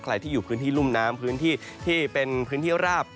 ใครที่อยู่พื้นที่รุ่มน้ำพื้นที่ที่เป็นพื้นที่ราบ